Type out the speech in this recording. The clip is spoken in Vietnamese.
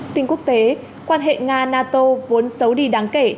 tin quốc tế quan hệ nga nato vốn xấu đi đáng kể